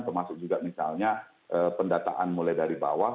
termasuk juga misalnya pendataan mulai dari bawah